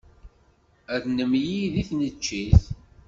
Ad nemlil deg tneččit.